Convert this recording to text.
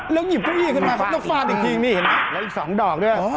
แล้วหยิบคุ้ยขึ้นมาครับแล้วฟาดอีกครึ่งนี่เห็นไหมแล้วอีกสองดอกด้วยอ่า